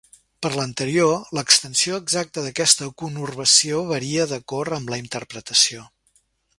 Per l'anterior, l'extensió exacta d'aquesta conurbació varia d'acord amb la interpretació.